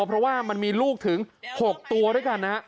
เพราะว่ามันมีลูกถึง๖ตัวด้วยกันนะฮะ